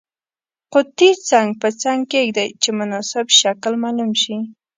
قطي څنګ په څنګ کیږدئ چې مناسب شکل معلوم شي.